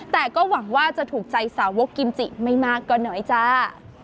แต่ก็หวังว่าจะถูกใจสาวกกิมจิไม่มากก็น้อยจ้า